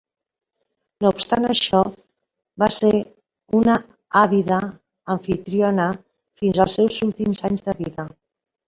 No obstant això, va ser una àvida amfitriona fins els seus últims anys de vida.